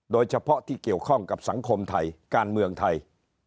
โดยเฉพาะที่เกี่ยวข้องกับสังคมไทยการเมืองไทย